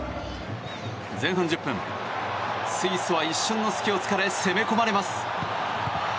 前半１０分、スイスは一瞬の隙を突かれ攻め込まれます。